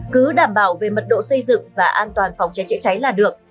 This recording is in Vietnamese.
cứ đảm bảo về mật độ xây dựng và an toàn phòng chế chế cháy là được